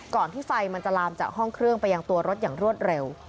ที่ไฟมันจะลามจากห้องเครื่องไปยังตัวรถอย่างรวดเร็ว